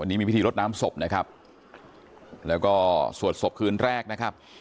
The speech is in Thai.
วันนี้มีพิธีรดน้ำศพนะครับแล้วก็สวดศพคืนแรกนะครับ